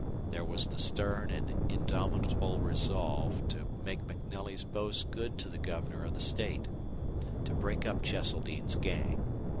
There was the stern and indomitable resolve to make MacNelly's boast good to the governor of the state to break up Cheseldine's gang.